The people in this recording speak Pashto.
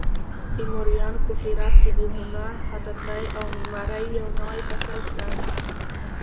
تیموریانو په هرات کې د هنر، خطاطۍ او معمارۍ یو نوی فصل پرانیست.